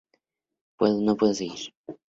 No pudo seguir.